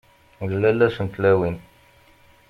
D lalla-s n tlawin!